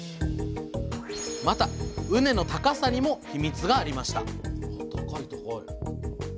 また畝の高さにもヒミツがありました